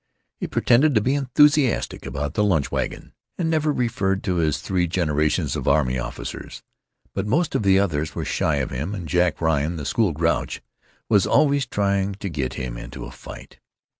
He pretended to be enthusiastic about the lunch wagon, and never referred to his three generations of army officers. But most of the others were shy of him, and Jack Ryan, the "school grouch," was always trying to get him into a fight.